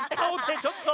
ちょっと！